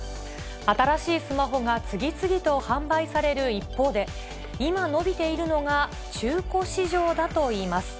新しいスマホが次々と販売される一方で、今、伸びているのが、中古市場だといいます。